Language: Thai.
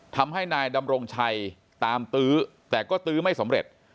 ทำให้นายดำรงชัยตามตื้อแต่ก็ตื้อไม่สำเร็จ